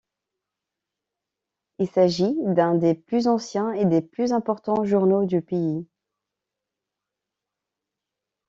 Il s'agit d'un des plus anciens et des plus importants journaux du pays.